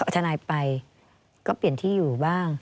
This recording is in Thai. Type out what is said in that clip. ทนายไปก็เปลี่ยนที่อยู่บ้าง